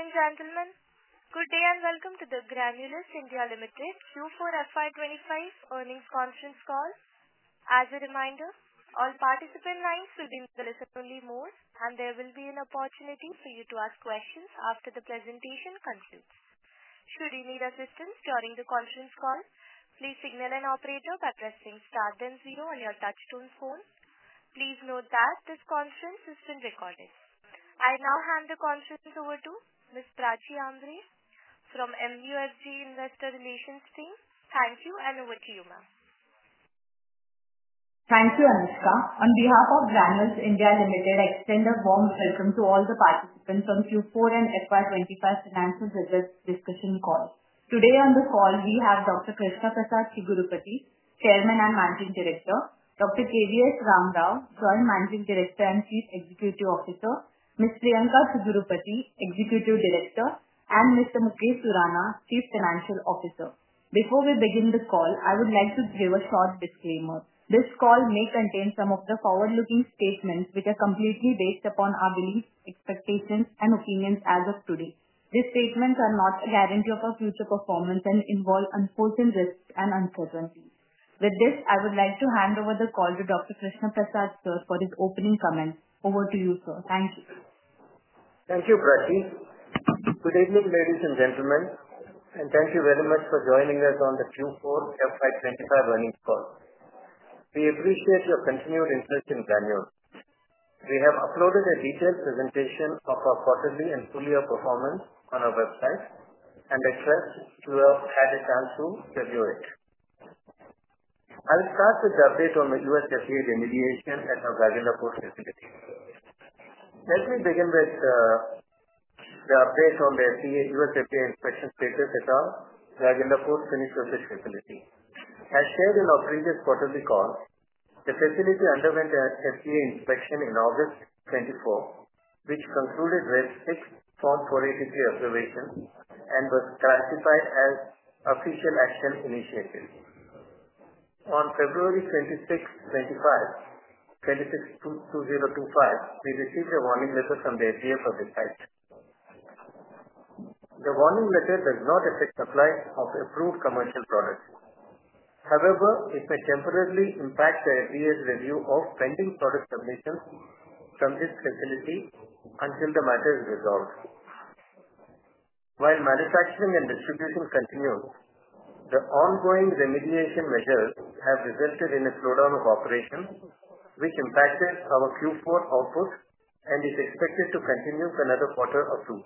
Ladies and gentlemen, good day and welcome to the Granules India Limited Q4 FY 2025 earnings conference call. As a reminder, all participant lines will be in the listen-only mode, and there will be an opportunity for you to ask questions after the presentation concludes. Should you need assistance during the conference call, please signal an operator by pressing star then zero on your touch-tone phone. Please note that this conference has been recorded. I now hand the conference over to Ms. Prachi Ambre from MUFG Investor Relations Team. Thank you, and over to you, ma'am. Thank you, Anushka. On behalf of Granules India Limited, I extend a warm welcome to all the participants on Q4 and FY 2025 financial results discussion call. Today on the call, we have Dr. Krishna Prasad Chigurupati, Chairman and Managing Director, Dr. KVS Ram Rao, Joint Managing Director and Chief Executive Officer, Ms. Priyanka Chigurupati, Executive Director, and Mr. Mukesh Surana, Chief Financial Officer. Before we begin the call, I would like to give a short disclaimer. This call may contain some of the forward-looking statements, which are completely based upon our beliefs, expectations, and opinions as of today. These statements are not a guarantee of our future performance and involve unfortunate risks and uncertainties. With this, I would like to hand over the call to Dr. Krishna Prasad, sir, for his opening comments. Over to you, sir. Thank you. Thank you, Prachi. Good evening, ladies and gentlemen, and thank you very much for joining us on the Q4 FY 2025 earnings call. We appreciate your continued interest in Granules. We have uploaded a detailed presentation of our quarterly and full-year performance on our website and trust you have had a chance to review it. I will start with the update on the USFDA remediation at our Gagillapur facility. Let me begin with the update on the U.S. FDA inspection status at our Gagillapur, Finished Dosage Facility. As shared in our previous quarterly call, the facility underwent an FDA inspection in August 2024, which concluded with six Form 483 observations and was classified as official action initiated. On February 26th, 2025, we received a warning letter from the FDA for this facility. The warning letter does not affect the supply of approved commercial products. However, it may temporarily impact the FDA's review of pending product submissions from this facility until the matter is resolved. While manufacturing and distribution continue, the ongoing remediation measures have resulted in a slowdown of operations, which impacted our Q4 output and is expected to continue for another quarter or two.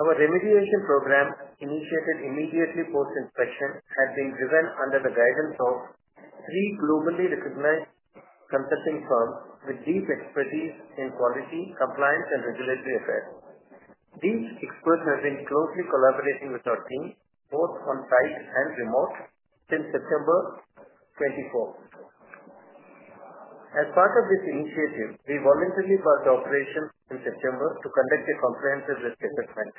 Our remediation program, initiated immediately post-inspection, has been driven under the guidance of three globally recognized consulting firms with deep expertise in quality, compliance, and regulatory affairs. These experts have been closely collaborating with our team, both on-site and remote, since September 2024. As part of this initiative, we voluntarily bumped operations in September to conduct a comprehensive risk assessment.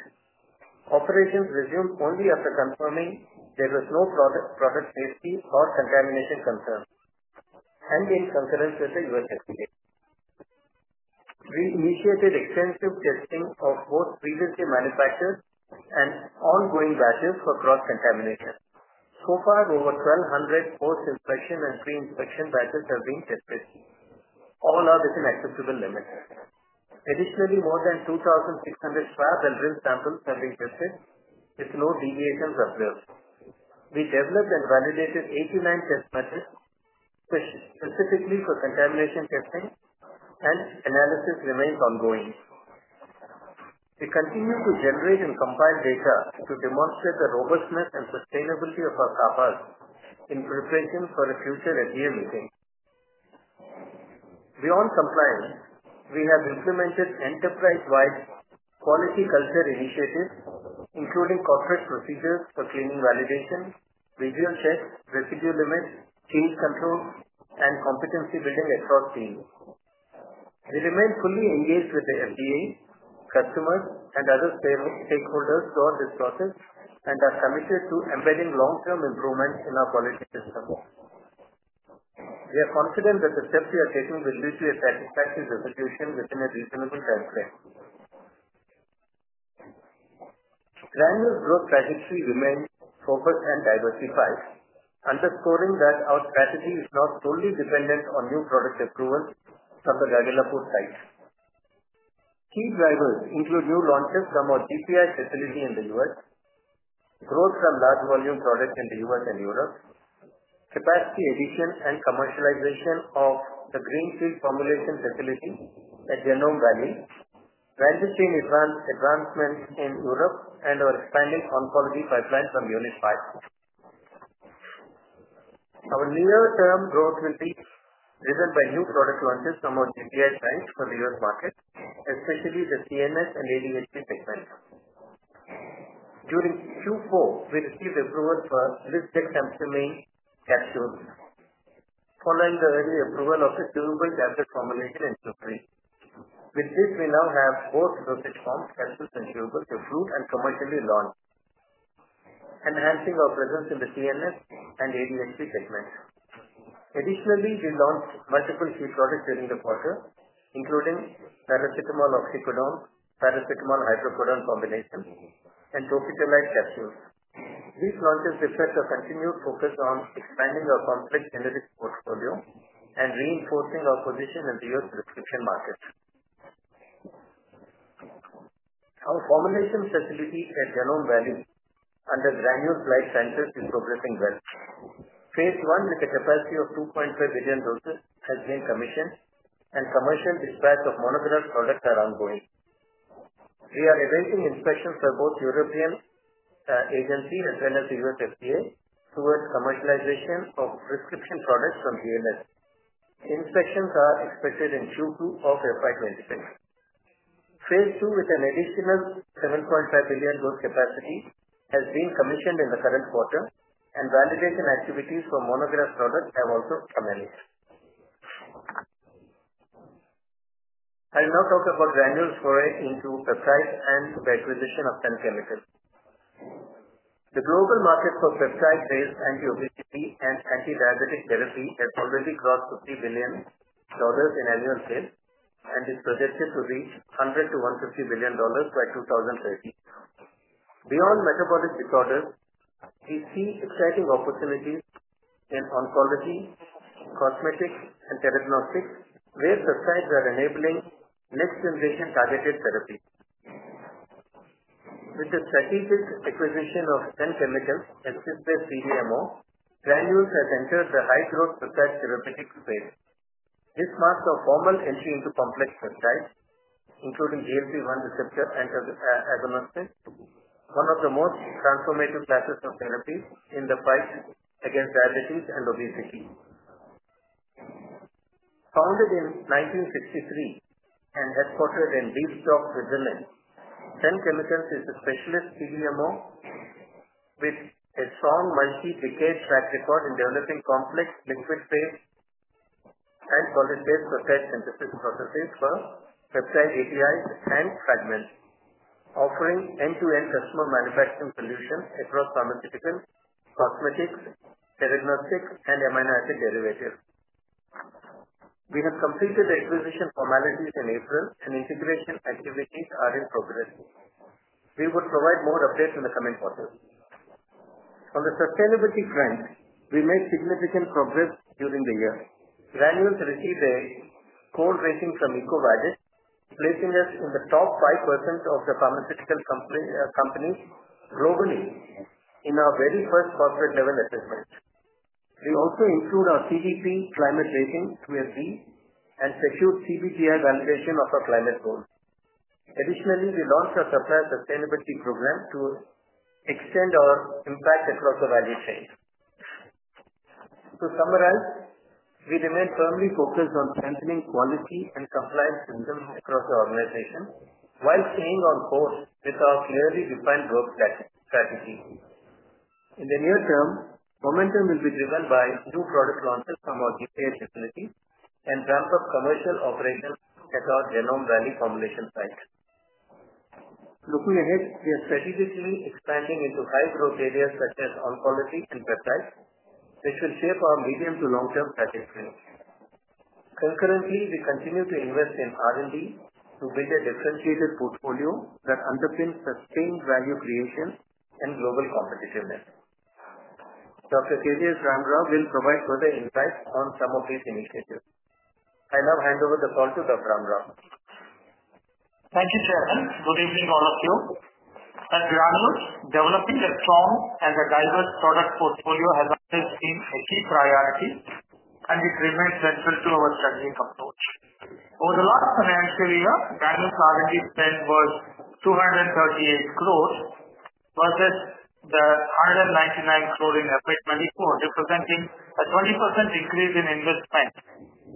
Operations resumed only after confirming there was no product safety or contamination concern, and in concurrence with the FDA. We initiated extensive testing of both previously manufactured and ongoing batches for cross-contamination. So far, over 1,200 post-inspection and pre-inspection batches have been tested, all are within acceptable limits. Additionally, more than 2,600 swab and rinse samples have been tested with no deviations observed. We developed and validated 89 test methods, specifically for contamination testing, and analysis remains ongoing. We continue to generate and compile data to demonstrate the robustness and sustainability of our CAPAs in preparation for a future FDA meeting. Beyond compliance, we have implemented enterprise-wide quality culture initiatives, including corporate procedures for cleaning validation, visual checks, residue limits, change controls, and competency building across teams. We remain fully engaged with the FDA, customers, and other stakeholders throughout this process and are committed to embedding long-term improvements in our quality system. We are confident that the steps we are taking will lead to a satisfactory resolution within a reasonable timeframe. Granules' growth trajectory remains focused and diversified, underscoring that our strategy is not solely dependent on new product approvals from the Gagillapur site. Key drivers include new launches from our GPI facility in the U.S., growth from large volume products in the U.S. and Europe, capacity addition and commercialization of the greenfield formulation facility at Genome Valley, manufacturing advancements in Europe, and our expanding oncology pipeline from Unit 5. Our near-term growth will be driven by new product launches from our GPI sites for the U.S. market, especially the CNS and ADHD segments. During Q4, we received approval for Lisdexamfetamine capsules, following the early approval of a durable gastric formulation and chew. With this, we now have both dosage forms, capsules and chew, to further and commercially launch, enhancing our presence in the CNS and ADHD segments. Additionally, we launched multiple key products during the quarter, including paracetamol-oxycodone, paracetamol-hydrocodone combination, and tropicamide capsules. These launches reflect a continued focus on expanding our complex generic portfolio and reinforcing our position in the U.S. prescription market. Our formulation facility at Genome Valley under Granules Life Sciences is progressing well. Phase I, with a capacity of 2.5 billion doses, has been commissioned, and commercial dispatch of monograph products is ongoing. We are awaiting inspections for both European agencies as well as the FDA towards commercialization of prescription products from GNS. Inspections are expected in Q2 of FY 2026. Phase II, with an additional 7.5 billion dose capacity, has been commissioned in the current quarter, and validation activities for monograph products have also commenced. I will now talk about Granules' foray into peptides and the acquisition of Senn Chemicals AG. The global market for peptide-based anti-obesity and anti-diabetic therapy has already crossed $50 billion in annual sales and is projected to reach $100 billion-$150 billion by 2030. Beyond metabolic disorders, we see exciting opportunities in oncology, cosmetics, and telecommunications, where peptides are enabling next-generation targeted therapy. With the strategic acquisition of Senn Chemicals AG and Senn Chemicals AG's CDMO, Granules has entered the high-growth peptide therapeutic space. This marks a formal entry into complex peptides, including GLP-1 receptor agonists, one of the most transformative classes of therapy in the fight against diabetes and obesity. Founded in 1963 and headquartered in Switzerland, Senn Chemicals AG is a specialist CDMO with a strong multi-decade track record in developing complex liquid-based and solid-based peptide synthesis processes for peptide APIs and fragments, offering end-to-end customer manufacturing solutions across pharmaceuticals, cosmetics, telecommunications, and amino acid derivatives. We have completed the acquisition formalities in April, and integration activities are in progress. We will provide more updates in the coming quarter. On the sustainability front, we made significant progress during the year. Granules received a gold rating from EcoVadis, placing us in the top 5% of the pharmaceutical companies globally in our very first corporate-level assessment. We also improved our CDP climate rating to a B and secured SBTi validation of our climate goals. Additionally, we launched a supplier sustainability program to extend our impact across the value chain. To summarize, we remain firmly focused on strengthening quality and compliance systems across the organization while staying on course with our clearly defined growth strategy. In the near term, momentum will be driven by new product launches from our Gagillapur facility and ramp-up commercial operations at our Genome Valley formulation site. Looking ahead, we are strategically expanding into high-growth areas such as oncology and peptides, which will shape our medium- to long-term trajectory. Concurrently, we continue to invest in R&D to build a differentiated portfolio that underpins sustained value creation and global competitiveness. Dr. KVS Ram Rao will provide further insights on some of these initiatives. I now hand over the call to Dr. Ram Rao. Thank you, Chairman. Good evening all of you. At Granules, developing a strong and diverse product portfolio has always been a key priority, and it remains central to our strategic approach. Over the last financial year, Granules' R&D spend was 238 crore versus the 199 crore in FY 2024, representing a 20% increase in investment,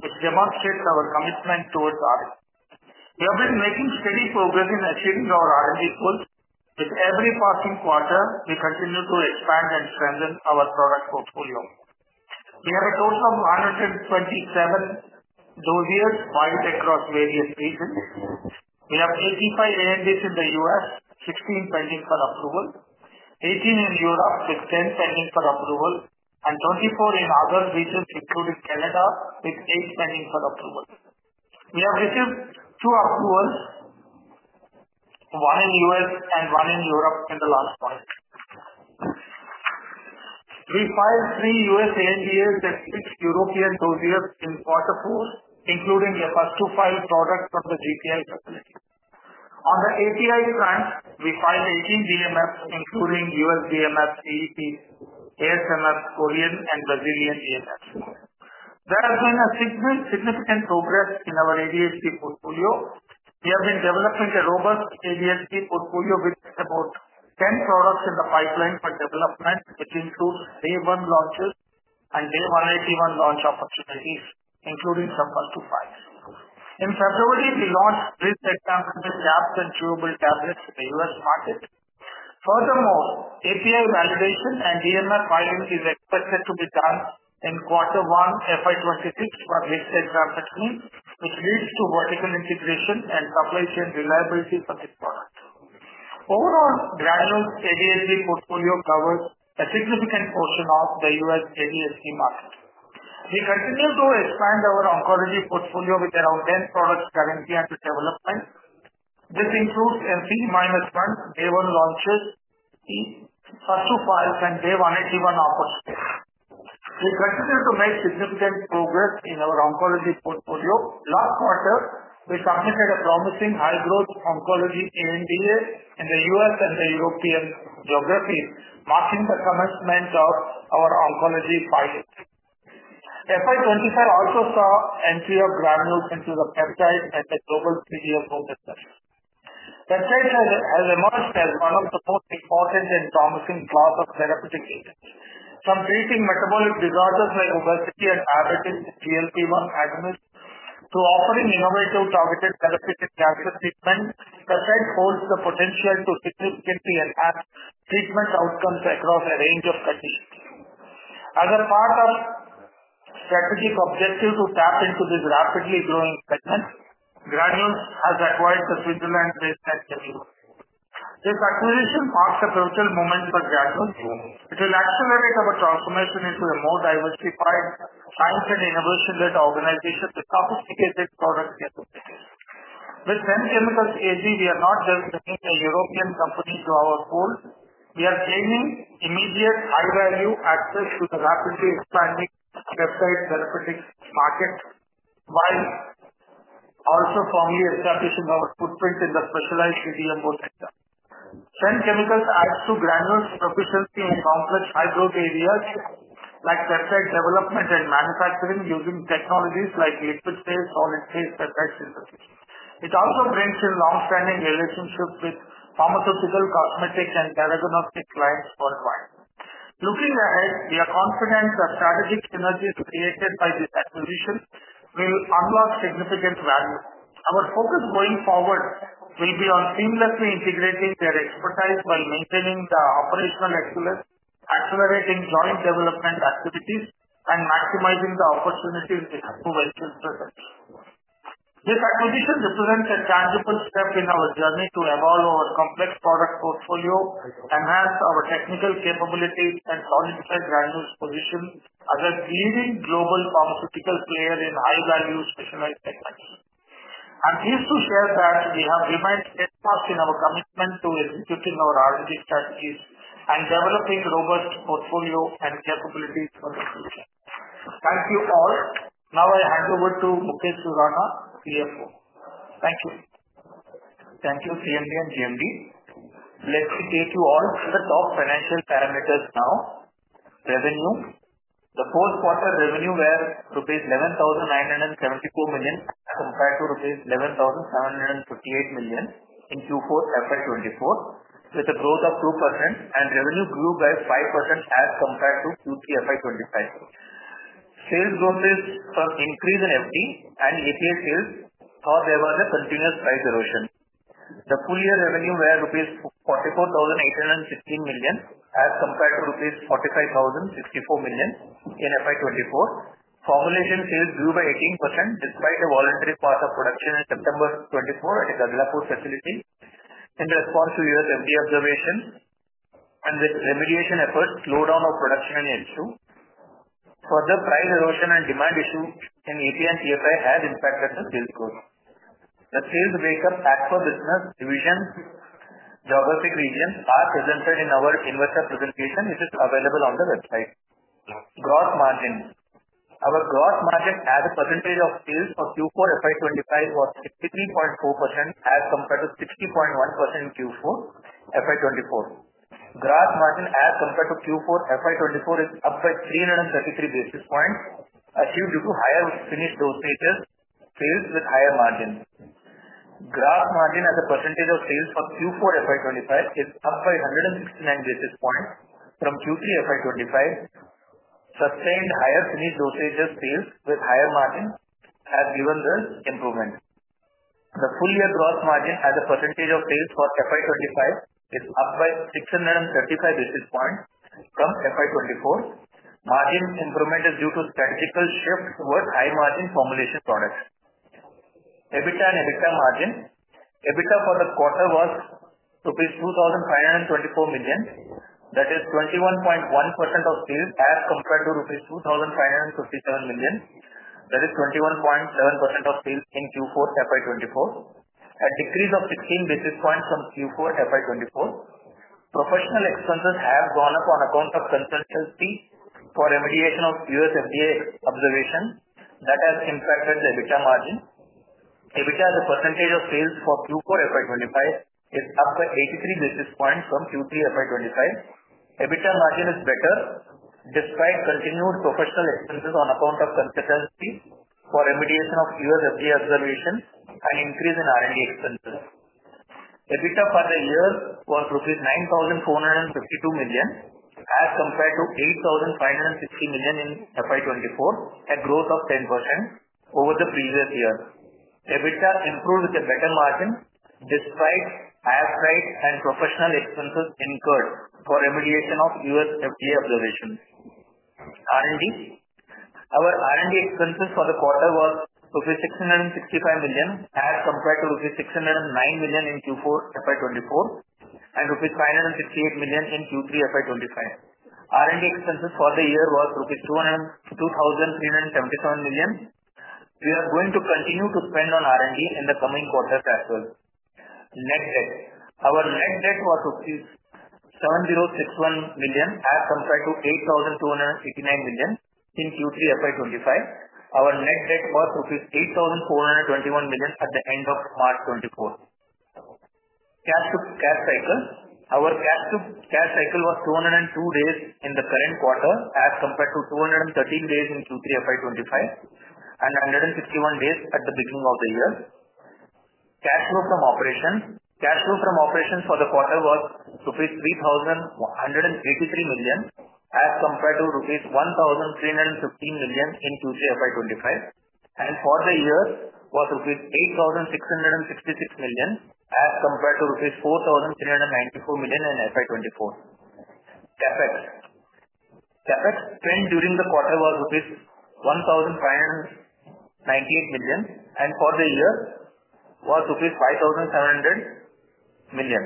which demonstrates our commitment towards R&D. We have been making steady progress in achieving our R&D goals. With every passing quarter, we continue to expand and strengthen our product portfolio. We have a total of 127 dose years wide across various regions. We have 85 ANDAs in the U.S., 16 pending for approval, 18 in Europe with 10 pending for approval, and 24 in other regions, including Canada, with 8 pending for approval. We have received two approvals, one in the U.S. and one in Europe in the last quarter. We filed three US ANDAs and six European dossiers in quarter four, including a first-to-file product from the Gagillapur facility. On the API front, we filed 18 DMFs, including US DMF, CEP, ASMF, Korean, and Brazilian DMFs. There has been significant progress in our ADHD portfolio. We have been developing a robust ADHD portfolio with about 10 products in the pipeline for development, which includes day-one launches and day-181 launch opportunities, including some first-to-files. In February, we launched Lisdexamfetamine capsules and chewable tablets in the U.S. market. Furthermore, API validation and DMF filing is expected to be done in quarter one 2026 for Lisdexamfetamine, which leads to vertical integration and supply chain reliability for this product. Overall, Granules' ADHD portfolio covers a significant portion of the US ADHD market. We continue to expand our oncology portfolio with around 10 products currently under development. This includes NC-1 day-one launches, plus-two-files, and day-181 opportunities. We continue to make significant progress in our oncology portfolio. Last quarter, we submitted a promising high-growth oncology ANDA in the U.S. and the European geography, marking the commencement of our oncology pilot. FY 2025 also saw the entry of Granules into the peptide and the global 3Ds focus sector. Peptide has emerged as one of the most important and promising class of therapeutic agents, from treating metabolic disorders like obesity and diabetes, GLP-1 agonists, to offering innovative targeted therapeutic cancer treatment. Peptide holds the potential to significantly enhance treatment outcomes across a range of conditions. As a part of the strategic objective to tap into this rapidly growing segment, Granules has acquired the Switzerland-based Senn Chemicals AG. This acquisition marks a pivotal moment for Granules. It will accelerate our transformation into a more diversified, science and innovation-led organization with sophisticated product capabilities. With Senn Chemicals AG, we are not just bringing a European company to our fold. We are gaining immediate high-value access to the rapidly expanding peptide therapeutic market while also formally establishing our footprint in the specialized CDMO sector. Senn Chemicals adds to Granules' proficiency in complex high-growth areas like peptide development and manufacturing using technologies like liquid-based, solid-based peptide synthesis. It also brings in long-standing relationships with pharmaceutical, cosmetic, and telecommunications clients worldwide. Looking ahead, we are confident the strategic synergies created by this acquisition will unlock significant value. Our focus going forward will be on seamlessly integrating their expertise while maintaining the operational excellence, accelerating joint development activities, and maximizing the opportunities with approvals in production. This acquisition represents a tangible step in our journey to evolve our complex product portfolio, enhance our technical capabilities, and solidify Granules' position as a leading global pharmaceutical player in high-value specialized segments. I'm pleased to share that we have remained steadfast in our commitment to executing our R&D strategies and developing robust portfolio and capabilities for the future. Thank you all. Now I hand over to Mukesh Surana, CFO. Thank you. Thank you, CMD and GMD. Let me take you all to the top financial parameters now. Revenue, the fourth quarter revenue was rupees 11,974 million as compared to rupees 11,758 million in Q4 FY 2024, with a growth of 2%, and revenue grew by 5% as compared to Q3 FY 2025. Sales growth is some increase in FD and API sales though there was a continuous price erosion. The full-year revenue was INR 44,816 million as compared to INR 45,064 million in FY 2024. Formulation sales grew by 18% despite a voluntary pause of production in September 2024 at a Gagillapur facility in response to U.S. FDA observations and with remediation efforts, slowdown of production in H2. Further price erosion and demand issues in API and TFI have impacted the sales growth. The sales breakup back for business divisions, geographic regions are presented in our investor presentation, which is available on the website. Gross margin, our gross margin as a percentage of sales for Q4 FY 2025 was 63.4% as compared to 60.1% in Q4 FY 2024. Gross margin as compared to Q4 FY 2024 is up by 333 basis points achieved due to higher finished dosages, sales with higher margin. Gross margin as a percentage of sales for Q4 FY 2025 is up by 169 basis points from Q3 FY 2025. Sustained higher finished dosages sales with higher margin has given this improvement. The full-year gross margin as a percentage of sales for FY 2025 is up by 635 basis points from FY 2024. Margin improvement is due to strategical shift towards high-margin formulation products. EBITDA and EBITDA margin, EBITDA for the quarter was 2,524 million, that is 21.1% of sales as compared to rupees 2,557 million, that is 21.7% of sales in Q4 FY 2024, a decrease of 16 basis points from Q4 FY 2024. Professional expenses have gone up on account of consultancy for remediation of US FDA observation that has impacted the EBITDA margin. EBITDA as a percentage of sales for Q4 FY 2025 is up by 83 basis points from Q3 FY 2025. EBITDA margin is better despite continued professional expenses on account of consultancy for remediation of US FDA observation and increase in R&D expenses. EBITDA for the year was rupees 9,452 million as compared to 8,560 million in FY 2024, a growth of 10% over the previous year. EBITDA improved with a better margin despite higher price and professional expenses incurred for remediation of U.S. FDA observation. R&D, our R&D expenses for the quarter was rupees 665 million as compared to rupees 609 million in Q4 FY 2024 and rupees 568 million in Q3 FY 2025. R&D expenses for the year was rupees 2,377 million. We are going to continue to spend on R&D in the coming quarters as well. Net debt, our net debt was 7,061 million as compared to 8,289 million in Q3 FY 2025. Our net debt was 8,421 million at the end of March 2024. Cash-to-cash cycle, our cash to cash cycle was 202 days in the current quarter as compared to 213 days in Q3 FY 2025 and 161 days at the beginning of the year. Cash flow from operations, cash flow from operations for the quarter was rupees 3,183 million as compared to rupees 1,315 million in Q3 FY 2025, and for the year was rupees 8,666 million as compared to rupees 4,394 million in FY 2024. CapEx, CapEx spent during the quarter was rupees 1,598 million and for the year was rupees 5,700 million,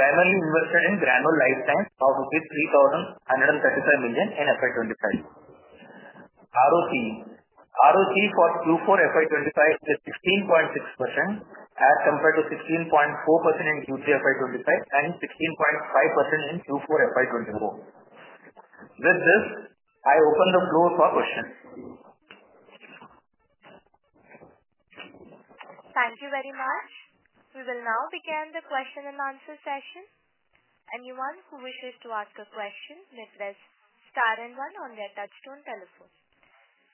primarily invested in Granules Life Sciences of rupees 3,135 million in FY 2025. ROC, ROC for Q4 FY 2025 is 16.6% as compared to 16.4% in Q3 FY 2025 and 16.5% in Q4 FY 2024. With this, I open the floor for questions. Thank you very much. We will now begin the question-and-answer session. Anyone who wishes to ask a question may press star and one on their touch-tone telephone.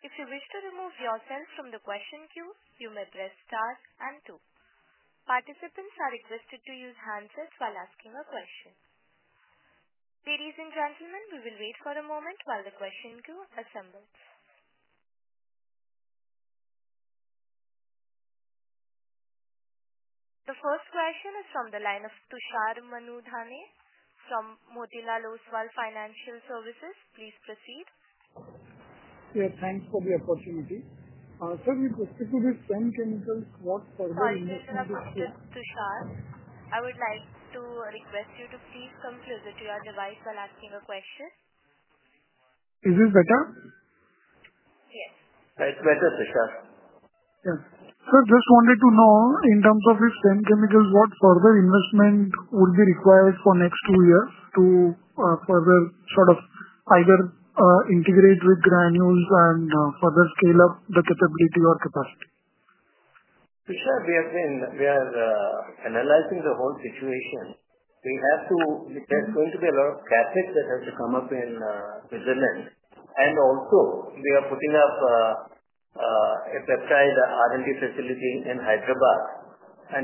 If you wish to remove yourself from the question queue, you may press star and two. Participants are requested to use handsets while asking a question. Ladies and gentlemen, we will wait for a moment while the question queue assembles. The first question is from the line of Tushar Manudhane from Motilal Oswal Financial Services. Please proceed. Yes, thanks for the opportunity. Sir, we prefer to do Senn Chemicals, what further investigation. One question asked to Tushar. I would like to request you to please come closer to your device while asking a question. Is this better? Yes. It's better, Tushar. Yeah. Sir, just wanted to know in terms of Senn Chemicals AG what further investment would be required for next two years to further sort of either integrate with Granules and further scale up the capability or capacity? Tushar, we have been analyzing the whole situation. We have to, there's going to be a lot of CapEx that has to come up in Switzerland. Also, we are putting up a peptide R&D facility in Hyderabad,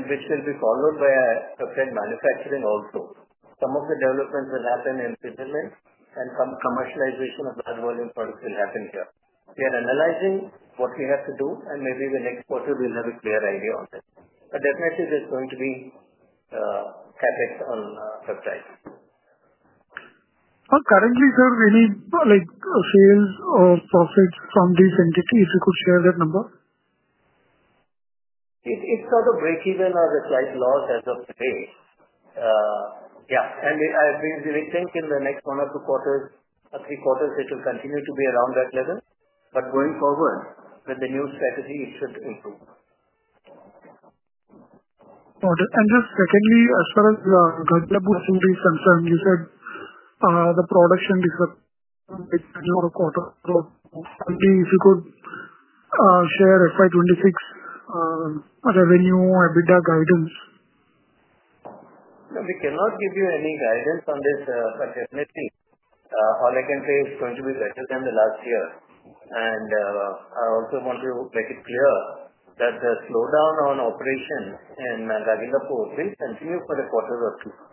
which will be followed by a peptide manufacturing also. Some of the developments will happen in Switzerland, and commercialization of large volume products will happen here. We are analyzing what we have to do, and maybe the next quarter we'll have a clear idea on this. Definitely, there's going to be CapEx on peptides. Currently, sir, we need sales or profits from these entities. If you could share that number. It's sort of breakeven or a slight loss as of today. Yeah. I think in the next one or two quarters, three quarters, it will continue to be around that level. Going forward, with the new strategy, it should improve. Just secondly, as far as Gagillapur facility is concerned, you said the production is a quarter off. If you could share FY 2026 revenue EBITDA guidance. We cannot give you any guidance on this, but definitely, all I can say is it's going to be better than last year. I also want to make it clear that the slowdown on operation in Gagillapur will continue for a quarter or two.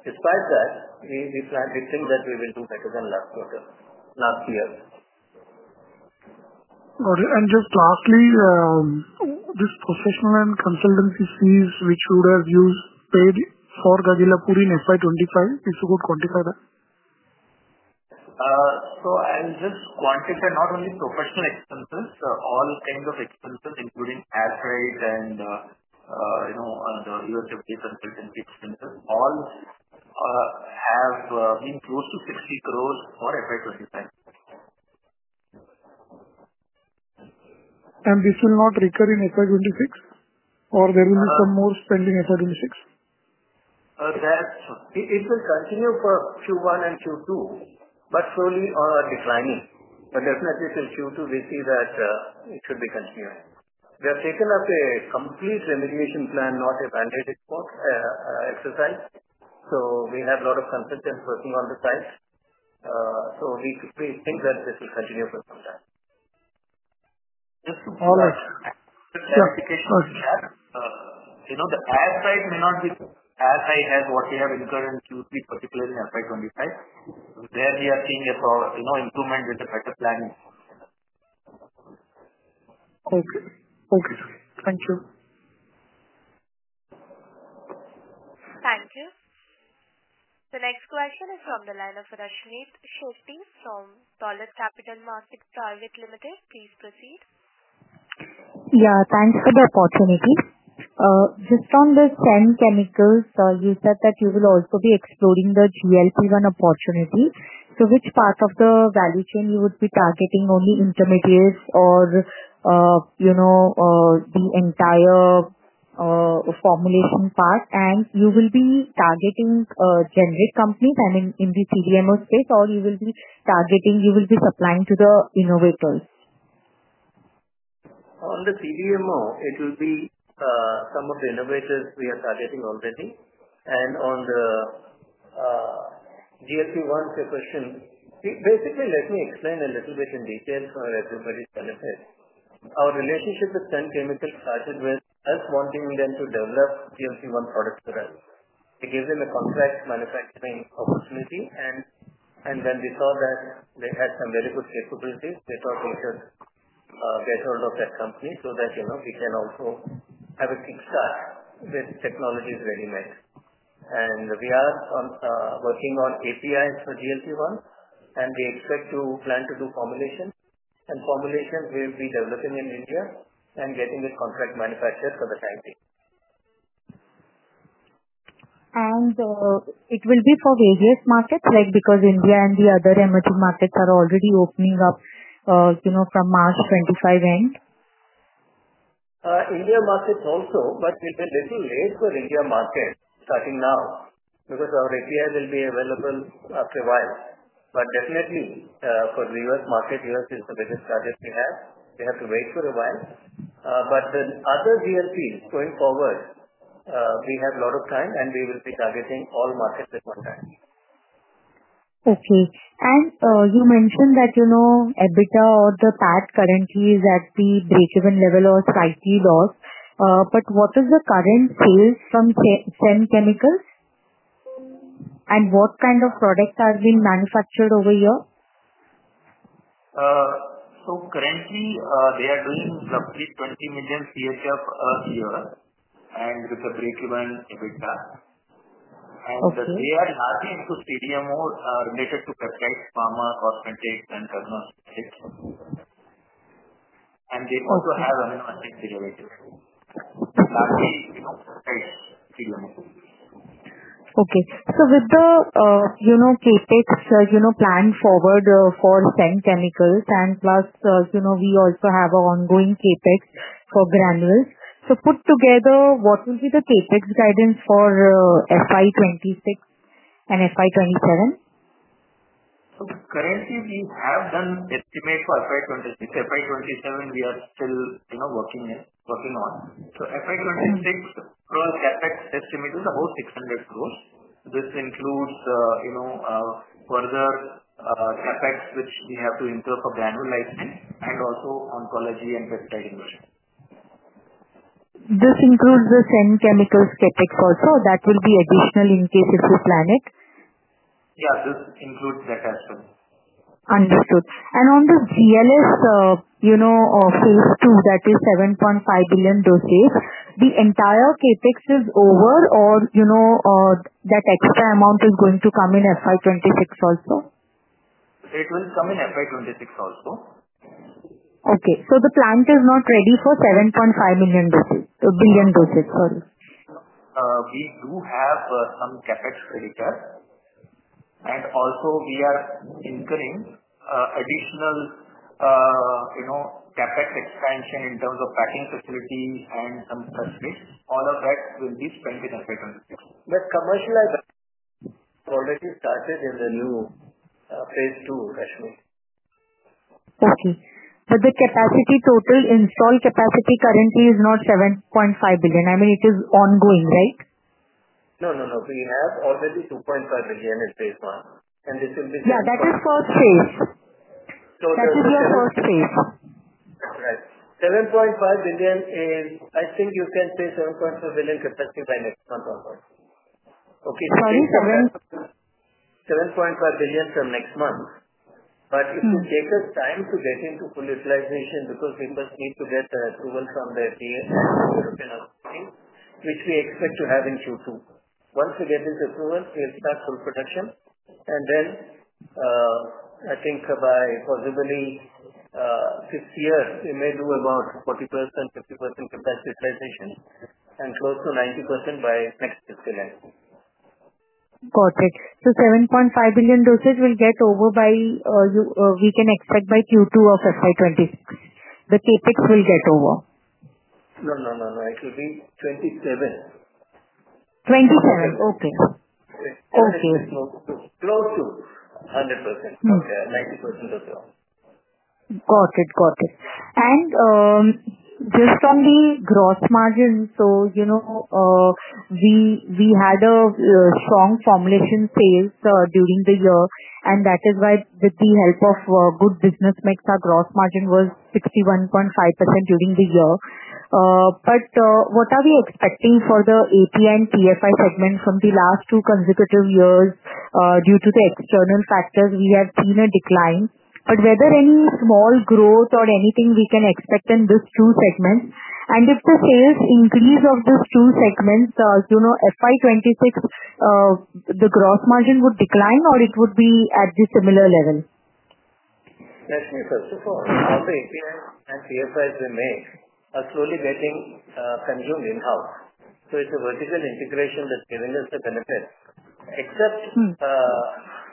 Despite that, we think that we will do better than last year. Just lastly, this professional and consultancy fees which would have you paid for Gagillapur in FY 2025, if you could quantify that. I'll just quantify not only professional expenses, all kinds of expenses, including ad rate and the U.S. FDA consultancy expenses, all have been close to 50 crore for FY 2025. This will not recur in FY 2026, or there will be some more spending in FY 2026? It will continue for Q1 and Q2, but slowly or declining. Definitely, till Q2, we see that it should be continuing. We have taken up a complete remediation plan, not a band-aid exercise. We have a lot of consultants working on the site. We think that this will continue for some time. Just to follow up. The clarification is that the ad right may not be. Ad right has what we have incurred in Q3, particularly in FY 2025. There we are seeing a improvement with the better planning. Okay. Okay. Thank you. Thank you. The next question is from the line of Rashmmi Shetty from Dolat Capital Markets Private Limited. Please proceed. Yeah. Thanks for the opportunity. Just on the Senn Chemicals, you said that you will also be exploring the GLP-1 opportunity. Which part of the value chain would you be targeting, only intermediates or the entire formulation part? You will be targeting generic companies in the CDMO space, or you will be supplying to the innovators? On the CDMO, it will be some of the innovators we are targeting already. On the GLP-1 separation, basically, let me explain a little bit in detail for everybody's benefit. Our relationship with Senn Chemicals AG started with us wanting them to develop GLP-1 products for us. We gave them a contract manufacturing opportunity, and when we saw that they had some very good capabilities, we thought we should get hold of that company so that we can also have a kickstart with technologies ready-made. We are working on APIs for GLP-1, and we expect to plan to do formulation. Formulations will be developing in India and getting it contract manufactured for the time being. It will be for various markets, like because India and the other emerging markets are already opening up from March 2025 end? India markets also, but it will be a little late for India market starting now because our API will be available after a while. Definitely, for the US market, US is the biggest target we have. We have to wait for a while. The other GLPs going forward, we have a lot of time, and we will be targeting all markets at one time. Okay. You mentioned that EBITDA or the PAT currently is at the breakeven level or slightly lower. What is the current sales from Senn Chemicals AG? What kind of products have been manufactured over here? Currently, they are doing roughly CHF 20 million a year with a breakeven EBITDA. They are largely into CDMO related to peptides, pharma, and cosmetics. They also have amino acid derivatives, so largely peptides, CDMO. Okay. So with the CapEx plan forward for Senn Chemicals and plus we also have an ongoing CapEx for Granules. So put together, what will be the CapEx guidance for FY 2026 and FY 2027? Currently, we have done estimate for FY 2026. FY 2027, we are still working on. FY 2026, per CapEx estimated, the whole 600 crore. This includes further CapEx, which we have to incur for Granules Life Sciences and also oncology and peptide injection. This includes the Senn Chemicals CapEx also? That will be additional in case if you plan it? Yeah. This includes that as well. Understood. On the GLS phase II, that is 7.5 billion doses, the entire CapEx is over or that extra amount is going to come in FY 2026 also? It will come in FY 2026 also. Okay. So the plant is not ready for 7.5 billion doses, sorry. We do have some CapEx credit there. Also, we are incurring additional CapEx expansion in terms of packing facility and some press kits. All of that will be spent in FY 2026. Commercialization has already started in the new phase II, Rashmeet. Okay. But the capacity total, installed capacity currently is not 7.5 billion. I mean, it is ongoing, right? No, no. We have already 2.5 billion in phase I. And this will be INR 7.5 billion. Yeah. That is first phase. That is your first phase. That's right. 7.5 billion is, I think you can say 7.5 billion capacity by next month almost. Okay. Sorry, 7. 7.5 billion from next month. If we take the time to get into full utilization because we first need to get the approval from the European authorities, which we expect to have in Q2. Once we get this approval, we'll start full production. I think by possibly this year, we may do about 40%-50% capacity utilization and close to 90% by next fiscal year. Got it. So 7.5 billion doses will get over by, we can expect by Q2 of FY 2026. The CapEx will get over. No, no. It will be 27. 27. Okay. Close to 100%. Okay. 90% or so. Got it. Got it. Just from the gross margin, we had a strong formulation sales during the year, and that is why with the help of good business mix, our gross margin was 61.5% during the year. What are we expecting for the API and PFI segment from the last two consecutive years? Due to the external factors, we have seen a decline. Whether any small growth or anything we can expect in these two segments? If the sales increase of these two segments, FY 2026, the gross margin would decline or it would be at the similar level? Rashmeet, first of all, our API and TFIs we make are slowly getting consumed in-house. It is a vertical integration that is giving us the benefit. Except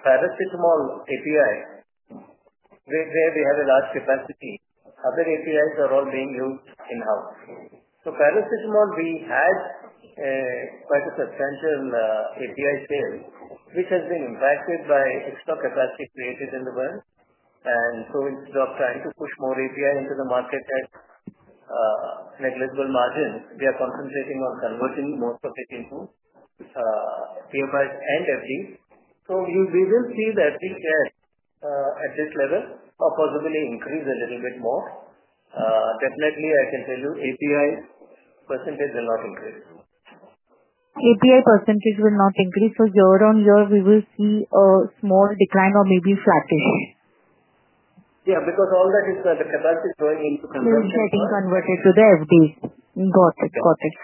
paracetamol API, where we have a large capacity, other APIs are all being used in-house. Paracetamol, we had quite a substantial API sale, which has been impacted by extra capacity created in the world. Instead of trying to push more API into the market at negligible margins, we are concentrating on converting most of it into TFIs and FDs. We will see the FDs at this level or possibly increase a little bit more. Definitely, I can tell you API percentage will not increase. API % will not increase. Year on year, we will see a small decline or maybe flattish. Yeah. Because all that is the capacity is going into conversion. Being getting converted to the FDs. Got it. Got it.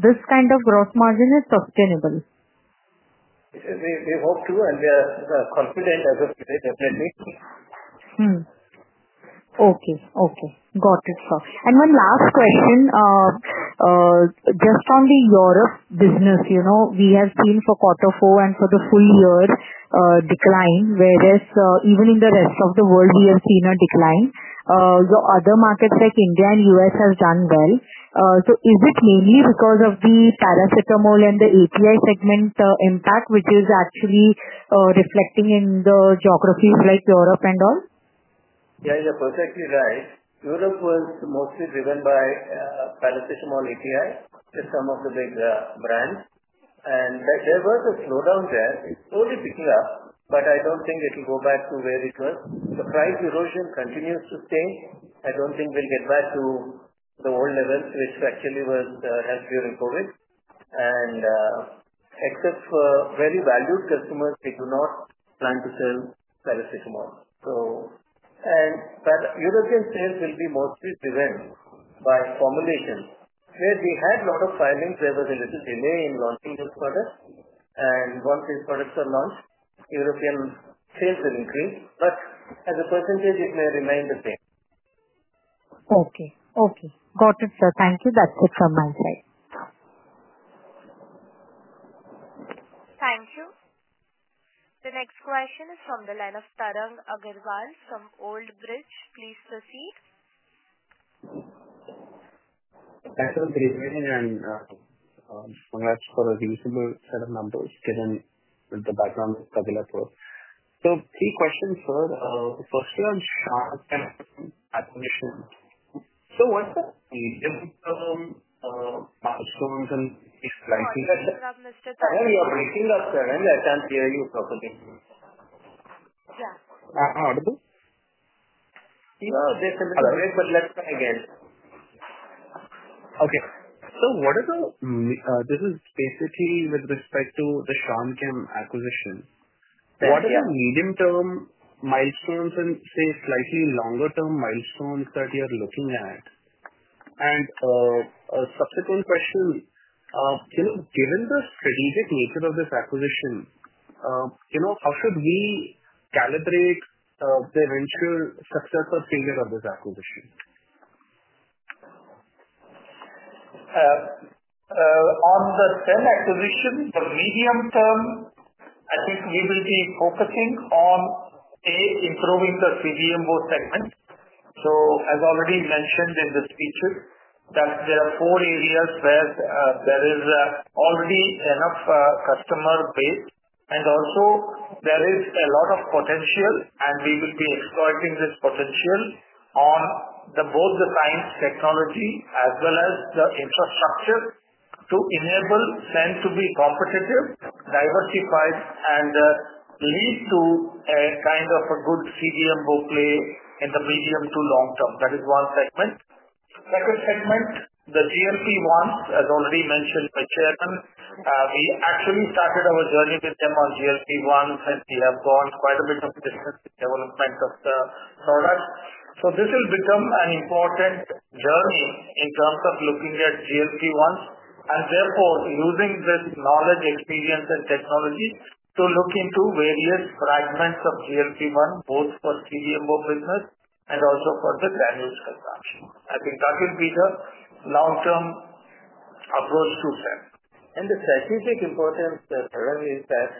This kind of gross margin is sustainable. We hope to, and we are confident as of today, definitely. Okay. Okay. Got it. And one last question. Just on the Europe business, we have seen for quarter four and for the full year decline, whereas even in the rest of the world, we have seen a decline. The other markets like India and U.S. have done well. Is it mainly because of the paracetamol and the API segment impact, which is actually reflecting in the geographies like Europe and all? Yeah. You're perfectly right. Europe was mostly driven by paracetamol API with some of the big brands. There was a slowdown there. It's slowly picking up, but I don't think it will go back to where it was. The price erosion continues to stay. I don't think we'll get back to the old levels, which actually was held during COVID. Except for very valued customers, we do not plan to sell paracetamol. European sales will be mostly driven by formulation. Where we had a lot of filings, there was a little delay in launching these products. Once these products are launched, European sales will increase. As a percentage, it may remain the same. Okay. Okay. Got it, sir. Thank you. That's it from my side. Thank you. The next question is from the line of Tarang Agrawal from Old Bridge. Please proceed. Thanks for the greeting and congrats for a reasonable set of numbers given with the background of Gagillapur. So three questions, sir. Firstly, on shock and admission. So what's the medium-term milestones and slightly? You have missed it. I know you are breaking up, Tarang. I can't hear you properly. Yeah. Audible? Yeah. They're a little bit weak, but let's try again. Okay. So what are the this is basically with respect to the Senn Chemicals AG acquisition. What are the medium-term milestones and, say, slightly longer-term milestones that you're looking at? A subsequent question, given the strategic nature of this acquisition, how should we calibrate the eventual success or failure of this acquisition? On the Senn acquisition, the medium term, I think we will be focusing on, A, improving the CDMO segment. As already mentioned in the speeches, there are four areas where there is already enough customer base. Also, there is a lot of potential, and we will be exploiting this potential on both the science technology as well as the infrastructure to enable Senn to be competitive, diversified, and lead to a kind of a good CDMO play in the medium to long term. That is one segment. Second segment, the GLP-1s, as already mentioned by Chairman, we actually started our journey with them on GLP-1s, and we have gone quite a bit of distance in development of the product. This will become an important journey in terms of looking at GLP-1s and therefore using this knowledge, experience, and technology to look into various fragments of GLP-1, both for CDMO business and also for the Granules consumption. I think that will be the long-term approach to Senn. The strategic importance, Karen, is that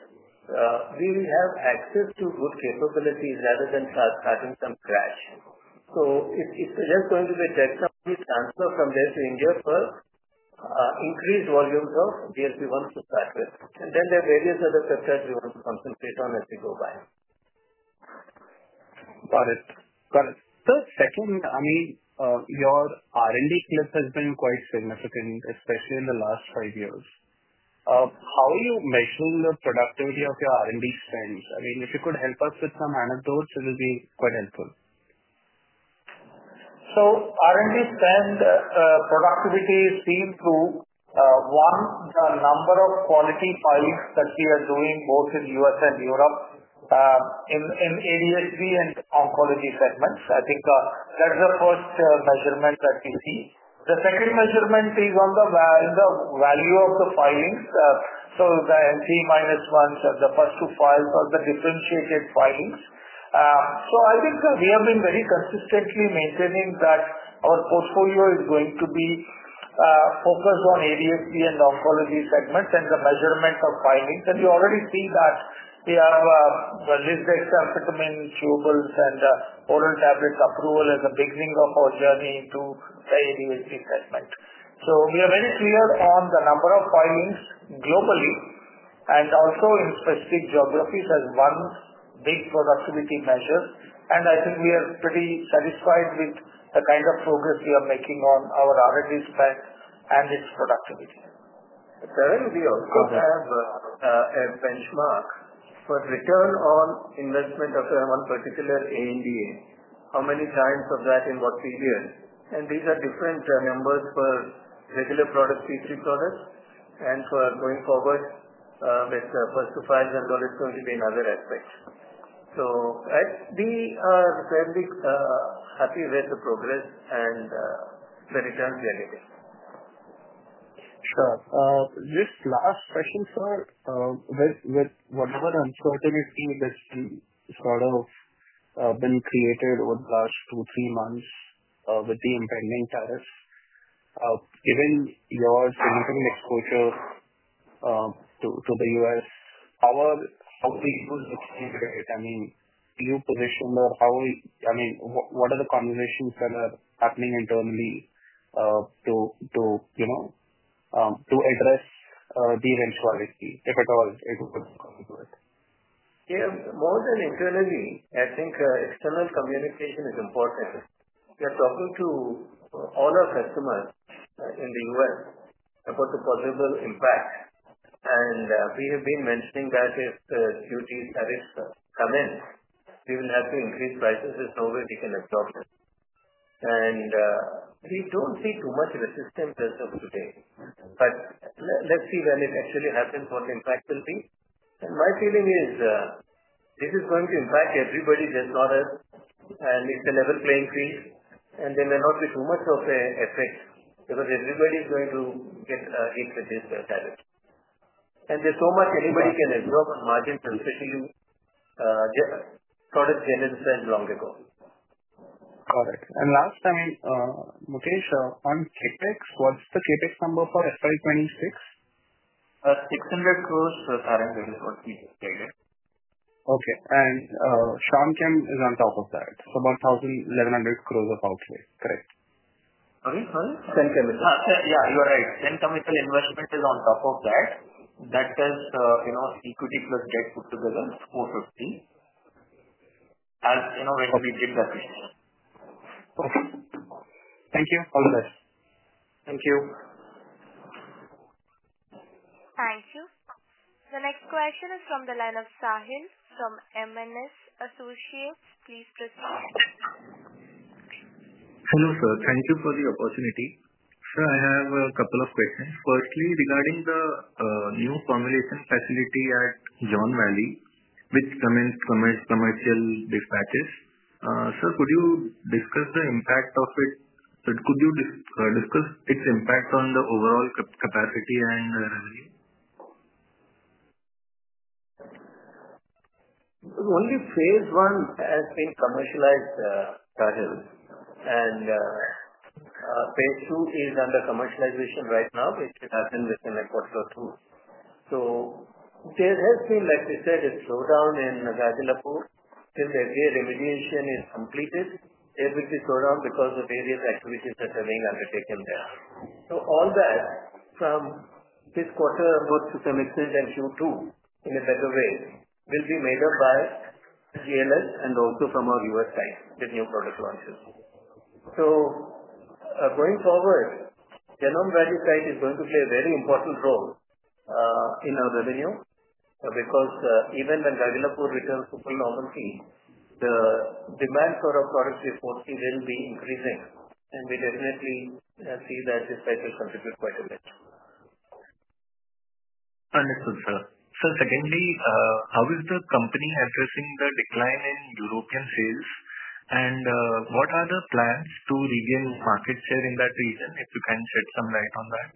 we will have access to good capabilities rather than starting from scratch. If there is going to be a tech transfer from there to India for increased volumes of GLP-1s to start with, then there are various other sectors we want to concentrate on as we go by. Got it. Got it. Second, I mean, your R&D clip has been quite significant, especially in the last five years. How are you measuring the productivity of your R&D spends? I mean, if you could help us with some anecdotes, it will be quite helpful. R&D spend productivity is seen through, one, the number of quality filings that we are doing both in the US and Europe in ADHD and oncology segments. I think that is the first measurement that we see. The second measurement is on the value of the filings. The NC-1s, the first two files, are the differentiated filings. I think we have been very consistently maintaining that our portfolio is going to be focused on ADHD and oncology segments and the measurement of filings. You already see that we have lisdexamfetamine chewables and oral tablets approval as a beginning of our journey into the ADHD segment. We are very clear on the number of filings globally and also in specific geographies as one big productivity measure. I think we are pretty satisfied with the kind of progress we are making on our R&D spend and its productivity. Karen, we also have a benchmark for return on investment of one particular ANDA. How many times of that in what period? These are different numbers for regular products, P3 products, and for going forward with the first two files, and though it is going to be another aspect. We are fairly happy with the progress and the returns we are getting. Sure. Just last question, sir. With whatever uncertainty that has sort of been created over the last two-three months with the impending tariffs, given your significant exposure to the US, how are we able to integrate it? I mean, do you position or how, I mean, what are the conversations that are happening internally to address the eventuality, if at all, it would come to it? Yeah. More than internally, I think external communication is important. We are talking to all our customers in the U.S. about the possible impact. We have been mentioning that if the duties tariffs come in, we will have to increase prices if nobody can absorb them. We do not see too much resistance as of today. Let's see when it actually happens what the impact will be. My feeling is this is going to impact everybody, just not us. It is a level playing field. There may not be too much of an effect because everybody is going to get hit with this tariff. There is so much anybody can absorb on margins, especially products genericized long ago. Got it. And last time, Mukesh, on CapEx, what's the CapEx number for FY 2026? 600 crore, Tarang, we will be able to take it. Okay. And SHANCAM is on top of that. So about 1,100 crore of outlay. Correct? Sorry? SEN Chemical. Yeah. You are right. Senn Chemicals investment is on top of that. That is equity plus debt put together, 450 million, as when we did the fees. Okay. Thank you. All the best. Thank you. Thank you. The next question is from the line of Sahil from M&S Associates. Please proceed. Hello, sir. Thank you for the opportunity. Sir, I have a couple of questions. Firstly, regarding the new formulation facility at Genome Valley, which commits commercial dispatches, sir, could you discuss the impact of it? Could you discuss its impact on the overall capacity and revenue? Only phase I has been commercialized, Sahil. And phase II is under commercialization right now. It should happen within a quarter or two. There has been, like we said, a slowdown in Gagillapur. Since the remediation is completed, there will be a slowdown because of various activities that are being undertaken there. All that from this quarter, both to chemistry and Q2 in a better way, will be made up by GLS and also from our U.S. side with new product launches. Going forward, Genome Valley site is going to play a very important role in our revenue because even when Gagillapur returns to full normalcy, the demand for our products reportedly will be increasing. We definitely see that this site will contribute quite a bit. Understood, sir. Sir, secondly, how is the company addressing the decline in European sales? What are the plans to regain market share in that region if you can shed some light on that?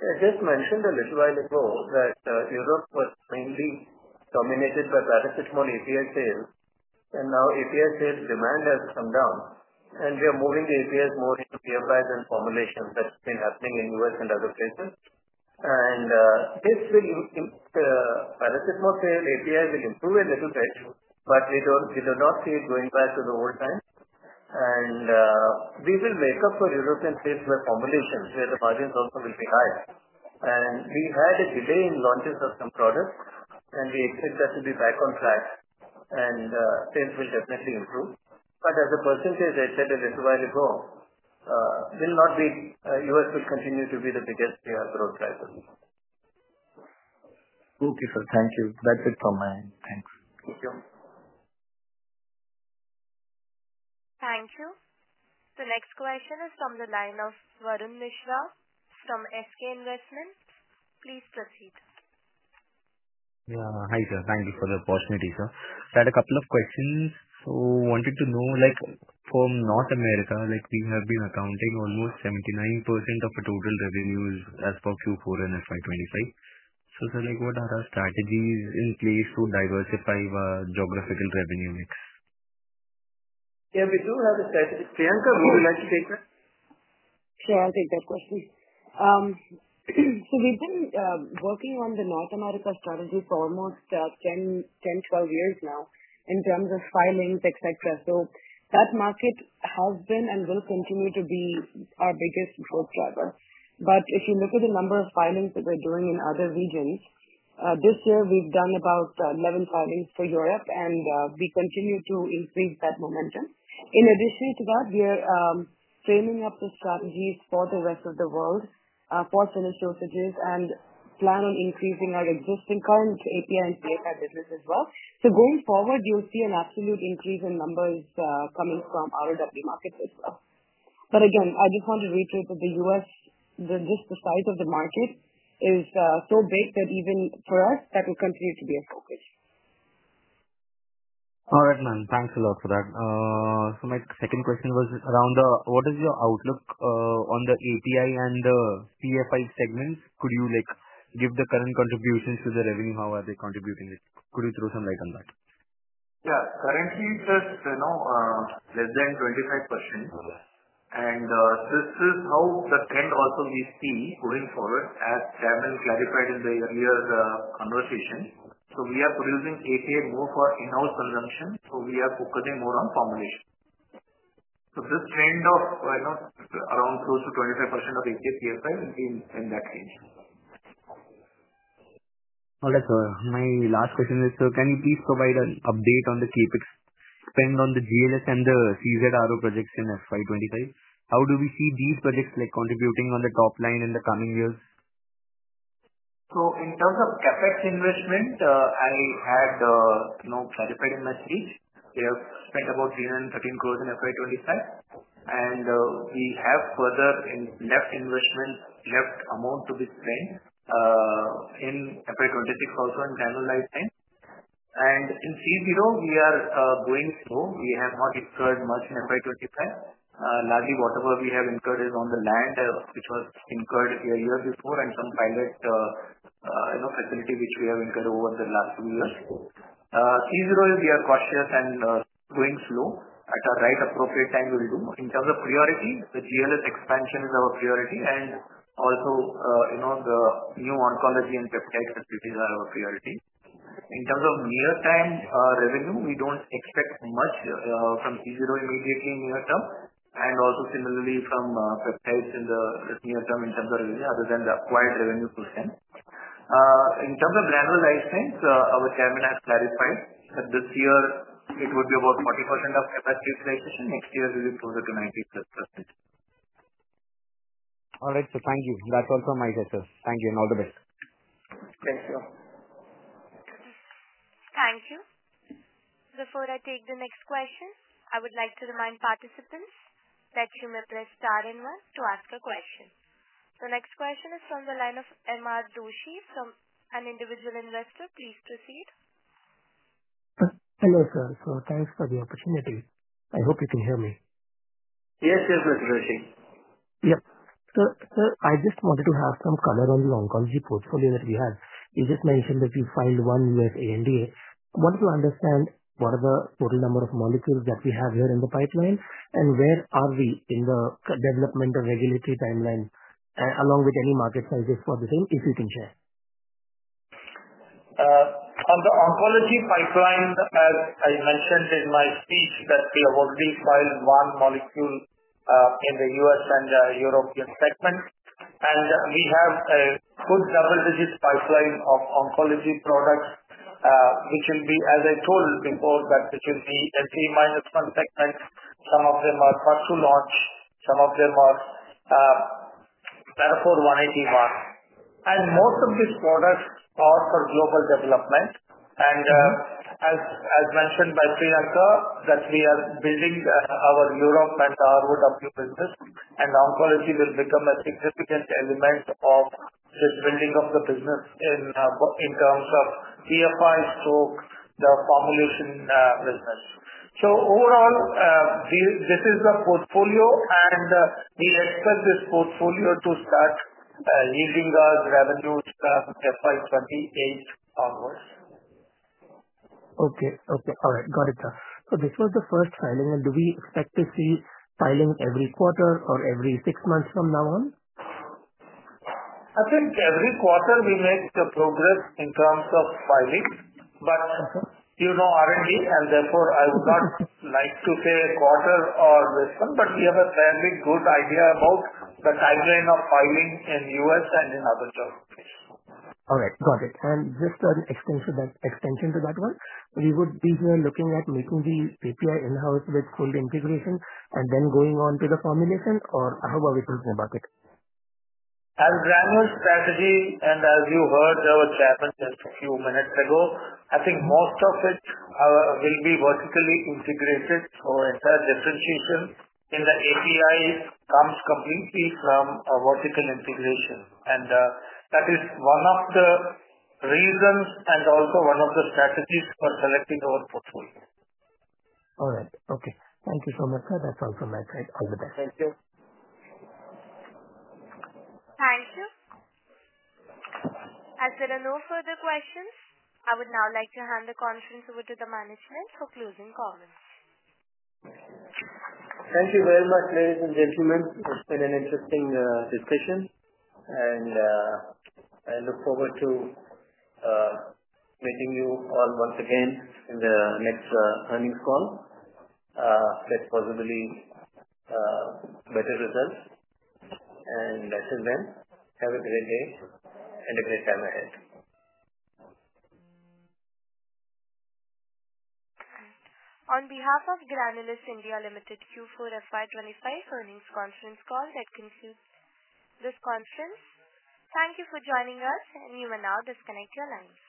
I just mentioned a little while ago that Europe was mainly dominated by paracetamol API sales. Now API sales demand has come down. We are moving the APIs more into KFIs and formulations that have been happening in the U.S. and other places. This paracetamol sale, API, will improve a little bit, but we do not see it going back to the old times. We will make up for European sales by formulations where the margins also will be higher. We had a delay in launches of some products. We expect that to be back on track. Sales will definitely improve. As a percentage, I said a little while ago, it will not be. U.S. will continue to be the biggest growth driver. Okay, sir. Thank you. That's it from my end. Thanks. Thank you. Thank you. The next question is from the line of Varun Mishra from SK Investments. Please proceed. Yeah. Hi, sir. Thank you for the opportunity, sir. I had a couple of questions. I wanted to know, from North America, we have been accounting almost 79% of our total revenues as per Q4 and FY 2025. Sir, what are our strategies in place to diversify our geographical revenue mix? Yeah. We do have a strategy. Priyanka, would you like to take that? Sure. I'll take that question. We've been working on the North America strategy for almost 10-12 years now in terms of filings, etc. That market has been and will continue to be our biggest growth driver. If you look at the number of filings that we're doing in other regions, this year, we've done about 11 filings for Europe. We continue to increase that momentum. In addition to that, we are framing up the strategies for the rest of the world, for Senn Chemicals AG, and plan on increasing our existing current API and KFI business as well. Going forward, you'll see an absolute increase in numbers coming from our ROW markets as well. I just want to reiterate that the U.S., just the size of the market, is so big that even for us, that will continue to be a focus. All right, man. Thanks a lot for that. My second question was around what is your outlook on the API and the PFI segments? Could you give the current contributions to the revenue? How are they contributing? Could you throw some light on that? Yeah. Currently, it's less than 25%. This is how the trend also we see going forward, as Karen clarified in the earlier conversation. We are producing API more for in-house consumption. We are focusing more on formulation. This trend of around close to 25% of API PFI will be in that range. All right, sir. My last question is, so can you please provide an update on the CapEx spend on the GLS and the CZRO projects in FY 2025? How do we see these projects contributing on the top line in the coming years? In terms of CapEx investment, I had clarified in my speech. We have spent about 313 crore in FY 2025. We have further left investment, left amount to be spent in FY 2026 also in granularity time. In CDMO, we are going slow. We have not incurred much in FY 2025. Largely, whatever we have incurred is on the land, which was incurred a year before, and some pilot facility which we have incurred over the last few years. In CDMO, we are cautious and going slow. At the right appropriate time, we'll do. In terms of priority, the GLS expansion is our priority. Also, the new oncology and peptide facilities are our priority. In terms of near-term revenue, we do not expect much from CDMO immediately in the near term. Also, similarly, from peptides in the near term in terms of revenue, other than the acquired revenue percent. In terms of Granules Life Sciences, our Chairman has clarified that this year, it would be about 40% of CapEx utilization. Next year, we'll be closer to 90%. All right. Thank you. That's all from my side, sir. Thank you. All the best. Thank you. Thank you. Before I take the next question, I would like to remind participants that you may press star and one to ask a question. The next question is from the line of Mr. Doshi from an individual investor. Please proceed. Hello, sir. So thanks for the opportunity. I hope you can hear me. Yes, yes, Mr. Doshi. Yep. Sir, I just wanted to have some color on the oncology portfolio that we have. You just mentioned that we filed one U.S. ANDA. I wanted to understand what are the total number of molecules that we have here in the pipeline and where are we in the development of regulatory timeline, along with any market sizes for the same, if you can share. On the oncology pipeline, as I mentioned in my speech, that we have already filed one molecule in the U.S. and European segment. We have a good double-digit pipeline of oncology products, which will be, as I told before, that it will be NC-1 segment. Some of them are part-to-launch. Some of them are parafor 181. Most of these products are for global development. As mentioned by Priyanka, we are building our Europe and our W business. Oncology will become a significant element of this building of the business in terms of PFI stroke, the formulation business. Overall, this is the portfolio. We expect this portfolio to start yielding us revenues from FY 2028 onwards. Okay. Okay. All right. Got it, sir. This was the first filing. Do we expect to see filing every quarter or every six months from now on? I think every quarter, we make progress in terms of filing. But you know R&D, and therefore, I would not like to say a quarter or less than, but we have a fairly good idea about the timeline of filing in U.S. and in other geographies. All right. Got it. Just an extension to that one. We would be here looking at making the API in-house with full integration and then going on to the formulation, or how are we talking about it? As Granules' strategy, and as you heard our Chairman just a few minutes ago, I think most of it will be vertically integrated. The entire differentiation in the API comes completely from vertical integration. That is one of the reasons and also one of the strategies for selecting our portfolio. All right. Okay. Thank you so much, sir. That's all from my side. All the best. Thank you. Thank you. As there are no further questions, I would now like to hand the conference over to the management for closing comments. Thank you very much, ladies and gentlemen. It's been an interesting discussion. I look forward to meeting you all once again in the next earnings call that possibly has better results. Until then, have a great day and a great time ahead. All right. On behalf of Granules India Limited, Q4 FY 2025 earnings conference call, that concludes this conference. Thank you for joining us. You may now disconnect your lines.